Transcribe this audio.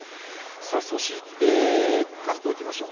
そして関東行きましょう。